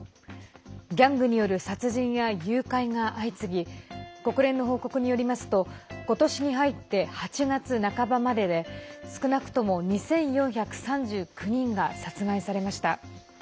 ギャングによる殺人や誘拐が相次ぎ国連の報告によりますと今年に入って８月半ばまでで少なくとも２４３９人が殺害されました。